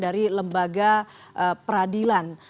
dari lembaga peradilan